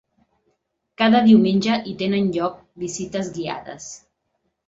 Cada diumenge hi tenen lloc visites guiades.